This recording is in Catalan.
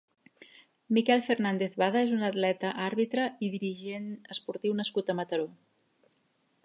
Miquel Fernández Bada és un atleta, àrbitre i dirigent esportiu nascut a Mataró.